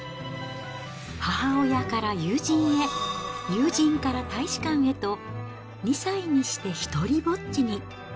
母親から友人へ、友人から大使館へと、２歳にして独りぼっちに。